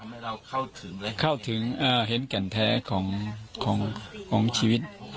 ทำให้เราเข้าถึงเข้าถึงเอ่อเห็นแก่แท้ของของของชีวิต